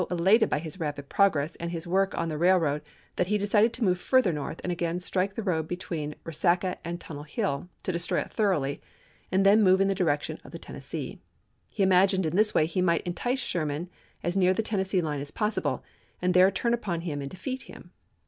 xx, elated by his rapid progress and his work on the railroad that he decided to move further north and again strike the road between Resaca and Tunnel Hill, to destroy it thoroughly, and then move in the direction of the Tennessee. He imagined in this way he might entice Sherman as near the Tennessee line as possible, and there turn upon him and defeat him.